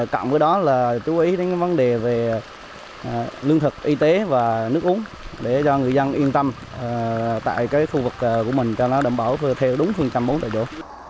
cộng với đó là chú ý đến vấn đề về lương thực y tế và nước uống để cho người dân yên tâm tại khu vực của mình cho nó đảm bảo theo đúng phương châm bốn tại chỗ